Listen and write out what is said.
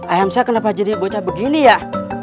ayam saya kenapa jadi bocah begini ya